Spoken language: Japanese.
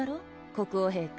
国王陛下。